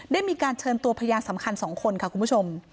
ได้มีการเชิญตัวพยานสำคัญ๒คนค่ะคุณผู้ชม